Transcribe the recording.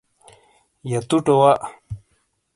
یا تٹ وا